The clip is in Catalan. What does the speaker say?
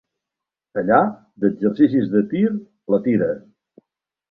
Allà, d'exercicis de tir, la tira.